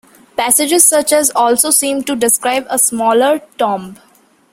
Passages such as also seem to describe a smaller tomb.